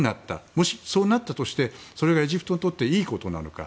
もし、そうなったとしてそれがエジプトにとっていいことなのか。